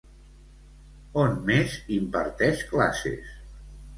On més imparteix classes?